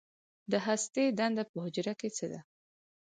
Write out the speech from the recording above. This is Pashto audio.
د هستې دنده په حجره کې څه ده